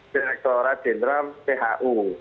direkturat jenderal thu